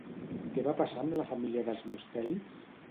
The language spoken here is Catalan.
Què va passar amb la família dels mustèlids?